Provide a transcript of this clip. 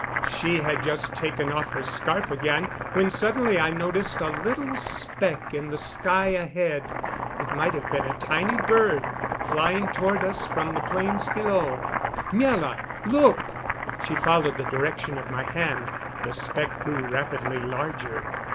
She had just taken off her scarf again when suddenly I noticed a little speck in the sky ahead. It might have been a tiny bird, flying toward us from the plains below. "Miela look!" She followed the direction of my hand. The speck grew rapidly larger.